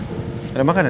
tidak ada makanan kan